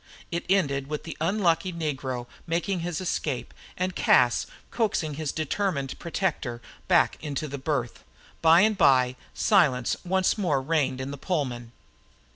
It ended with the unlucky negro making his escape, and Cas coaxing his determined protector back into the berth. By and by silence once more reigned in the Pullman.